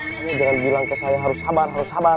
kami jangan bilang ke saya harus sabar harus sabar